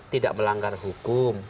tidak melanggar hukum